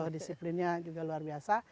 disiplinnya juga luar biasa